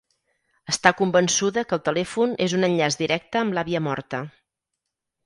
Està convençuda que el telèfon és un enllaç directe amb l'àvia morta.